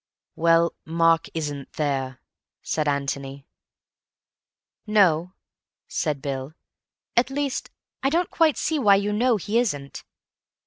"Well, Mark isn't there," said Antony. "No," said Bill. "At least, I don't quite see why you know he isn't."